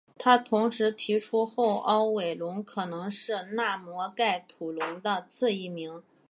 他同时提出后凹尾龙可能是纳摩盖吐龙的次异名。